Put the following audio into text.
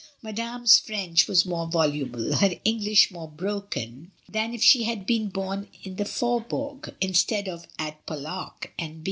Madame's French was more voluble, her English more broken, than if she had been bom in the Faubourg, instead of at PoUok, N.B.